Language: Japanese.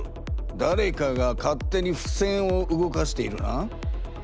だれかが勝手にふせんを動かしているな。